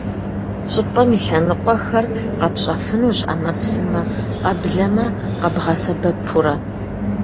ЩӀыпӀэм и лъэныкъуэхэр къэпщӀэфынущ Ӏэмэпсымэ — къэблэмэ къэбгъэсэбэпурэ.